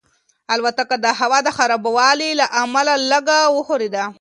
الوتکه د هوا د خرابوالي له امله لږه وښورېده.